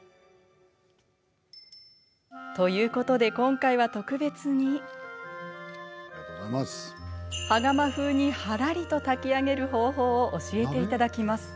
ということで、今回は特別に羽釜風に、はらりと炊き上げる方法を教えていただきます。